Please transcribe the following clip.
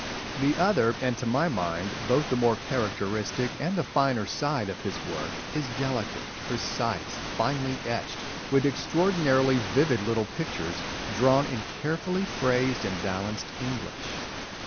The other, and to my mind both the more characteristic and the finer side of his work, is delicate, precise, finely etched, with extraordinarily vivid little pictures drawn in carefully phrased and balanced English.